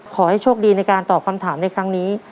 ขอให้โชคดีในการตอบคำถามในครั้งนี้